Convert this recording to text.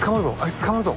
捕まるぞ。